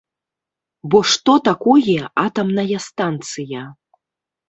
Бо што такое атамная станцыя?